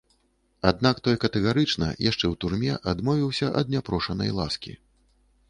Аднак той катэгарычна, яшчэ ў турме, адмовіўся ад няпрошанай ласкі.